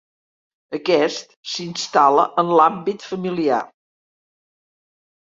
Aquest s’instal·la en l'àmbit familiar.